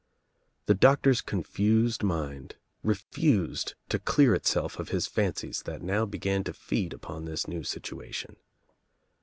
The doctor's confused mind refused to clear itself of his fancies that now began to feed upon this new situation.